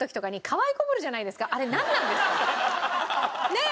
ねえ！